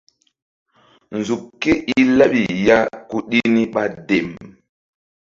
Nzuk ke i laɓi ya ku ɗi ni ɓa dem.